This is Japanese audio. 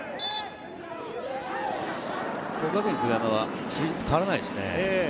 國學院久我山は変わらないですね。